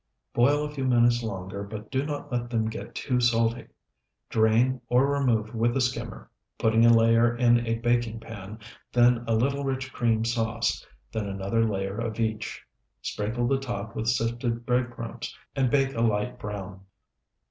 Boil a few minutes longer, but do not let them get too salty. Drain, or remove with a skimmer, putting a layer in a baking pan, then a little rich cream sauce, then another layer of each. Sprinkle the top with sifted bread crumbs, and bake a light brown.